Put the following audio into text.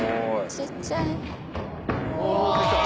ちっちゃい。